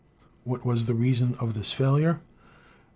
What was the reason of this failure?